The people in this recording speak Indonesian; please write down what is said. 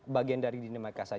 bagian dari dinama kita